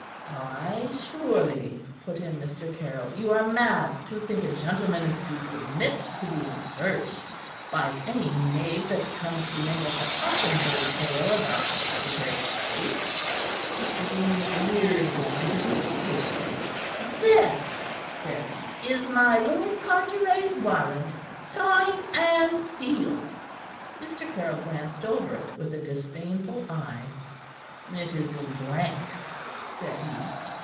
"Ay, surely," put in Mr. Caryll. "You are mad to think a gentleman is to submit to being searched by any knave that comes to him with a cock and bull tale about the Secretary of State." Mr. Green leered again, and produced a paper. "There," said he, "is my Lord Carteret's warrant, signed and sealed." Mr. Caryll glanced over it with a disdainful eye. "It is in blank," said he.